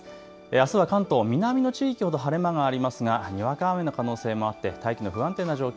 あすは関東、南の地域ほど晴れ間がありますが、にわか雨の可能性もあって大気の不安定な状況